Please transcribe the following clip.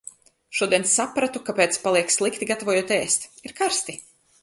Šodien sapratu, kāpēc paliek slikti, gatavojot ēst, - ir karsti!